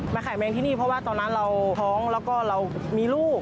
ขายแมงที่นี่เพราะว่าตอนนั้นเราท้องแล้วก็เรามีลูก